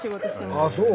ああそう。